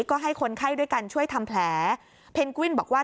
ก็ให้คนไข้ด้วยกันช่วยทำแผลเพนกวินบอกว่า